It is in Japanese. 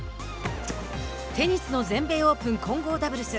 テニスの全米オープン混合ダブルス。